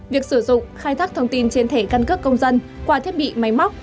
việc sử dụng khai thác thông tin trên thẻ căn cước công dân qua thiết bị máy móc